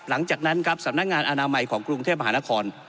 หลังจากนั้นครับสำนักงานอนามัยของกรุงเทพมหานคร